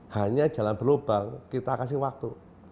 hanya jalan berlubang kita kasih waktu